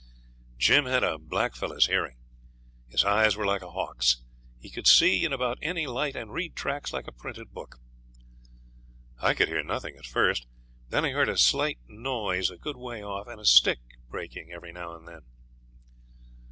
Jim had a blackfellow's hearing; his eyes were like a hawk's; he could see in about any light, and read tracks like a printed book. I could hear nothing at first; then I heard a slight noise a good way off, and a stick breaking every now and then.